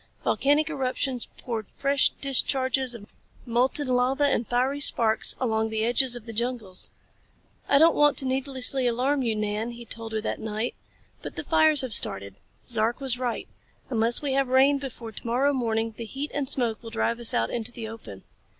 Volcanic eruptions poured fresh discharges of molten lava and fiery sparks along the edges of the jungles. "I don't want to needlessly alarm you, Nan," he told her that night, "but the fires have started. Zark was right. Unless we have rain before to morrow morning the heat and smoke will drive us out into the open."